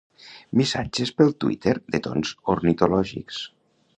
Missatges pel Twitter de tons ornitològics.